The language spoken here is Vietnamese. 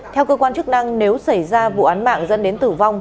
theo cơ quan chức năng nếu xảy ra vụ án mạng dẫn đến tử vong